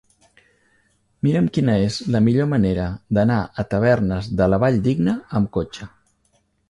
Mira'm quina és la millor manera d'anar a Tavernes de la Valldigna amb cotxe.